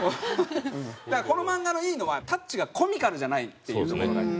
この漫画のいいのはタッチがコミカルじゃないっていうところが。